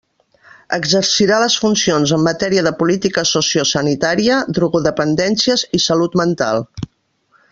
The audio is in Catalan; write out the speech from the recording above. Exercirà les funcions en matèria de política sociosanitària, drogodependències i salut mental.